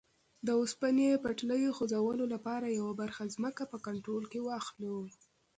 د اوسپنې پټلۍ غځولو لپاره یوه برخه ځمکه په کنټرول کې واخلو.